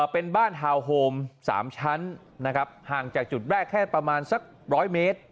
เป็นบ้านทาวน์โฮม๓ชั้นนะครับห่างจากจุดแรกแค่ประมาณสัก๑๐๐เมตร